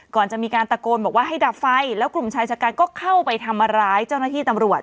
ก่อนจะมีการตะโกนบอกว่าให้ดับไฟแล้วกลุ่มชายชะกันก็เข้าไปทำร้ายเจ้าหน้าที่ตำรวจ